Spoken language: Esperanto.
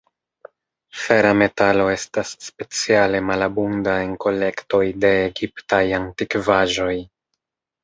Fera metalo estas speciale malabunda en kolektoj de egiptaj antikvaĵoj.